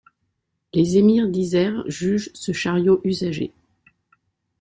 Les émirs diserts jugent ce chariot usagé!